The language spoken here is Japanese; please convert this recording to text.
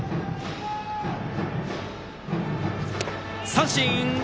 三振！